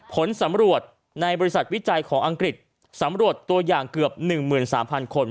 ผลสำรวจในบริษัทวิจัยของอังกฤษสำรวจตัวอย่างเกือบ๑๓๐๐คน